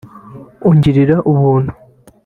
‘Ungirira ubuntu’